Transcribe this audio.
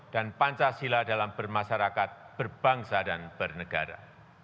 dan pancasila dalam bermasyarakat berbangsa dan bernegara